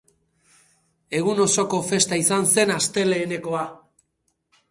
Egun osoko festa izan zen astelehenekoa.